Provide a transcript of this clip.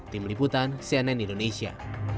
tim liputan cnn indonesia